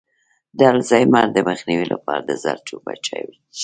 د الزایمر د مخنیوي لپاره د زردچوبې چای وڅښئ